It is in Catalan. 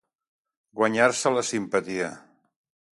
Guanyar-se la simpatia.